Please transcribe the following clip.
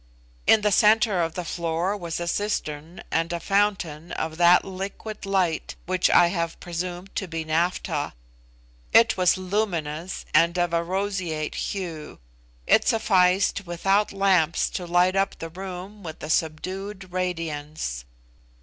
In the centre of the floor was a cistern and a fountain of that liquid light which I have presumed to be naphtha. It was luminous and of a roseate hue; it sufficed without lamps to light up the room with a subdued radiance.